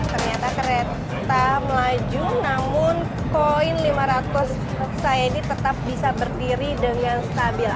ternyata kereta melaju namun koin lima ratus saya ini tetap bisa berdiri dengan stabil